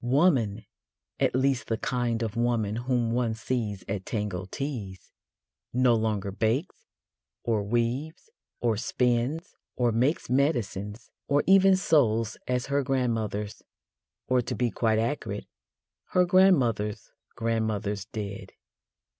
Woman at least the kind of woman whom one sees at Tango Teas no longer bakes, or weaves, or spins, or makes medicines, or even sews as her grandmothers or, to be quite accurate, her grandmothers' grandmothers did.